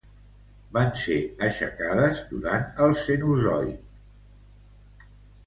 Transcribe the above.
Van ser aixecades durant el Cenozoic.